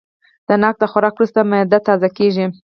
د ناک د خوراک وروسته معده تازه کېږي.